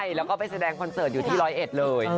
แล้วก็ไปแสดงคอนเสิร์ตอยู่ที่ร้อยเอ็ดเลย